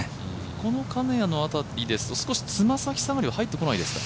この金谷の辺り、少しつま先下りが入ってこないですか。